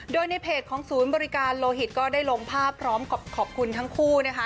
โดยในเพจของศูนย์บริการโลหิตก็ได้ลงภาพพร้อมขอบคุณทั้งคู่นะคะ